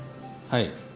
はい。